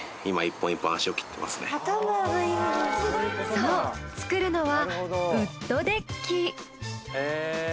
そう作るのはウッドデッキ。